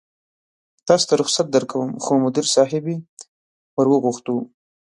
تاسې ته رخصت درکوم، خو مدیر صاحبې ور وغوښتو.